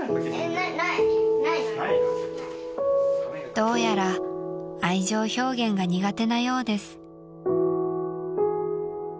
［どうやら愛情表現が苦手なようです］